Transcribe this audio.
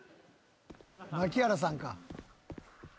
槇原さんか？